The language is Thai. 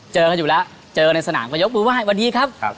เจอเขาอยู่แล้วเจอในสนามกระยกปืนว่าวันดีครับ